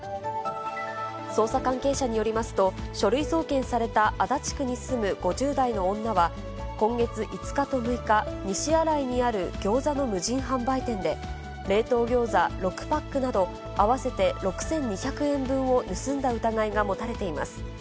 捜査関係者によりますと、書類送検された足立区に住む５０代の女は、今月５日と６日、西新井にあるギョーザの無人販売店で、冷凍ギョーザ６パックなど合わせて６２００円分を盗んだ疑いが持たれています。